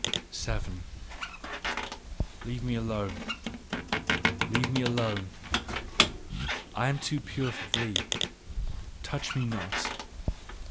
7. Leave me alone! Leave me alone! I am too pure for thee. Touch me not!